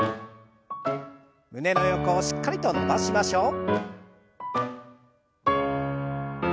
胸の横をしっかりと伸ばしましょう。